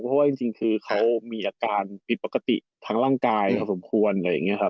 เพราะว่าเขามีอาการดิบปกติทางร่างกายสมควร